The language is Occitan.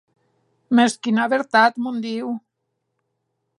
Mès quina vertat, mon Diu!